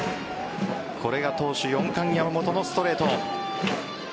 これが投手４冠山本のストレート。